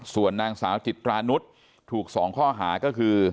ส่วนนางสาวจิตรานุษย์ถูก๒ข้อหาก็คือ